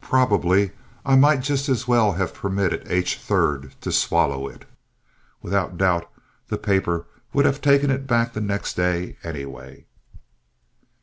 Probably I might just as well have permitted H. 3rd to swallow it. Without doubt, the paper would have taken it back the next day, anyway.